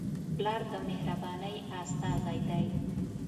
پلار د مهربانۍ استازی دی.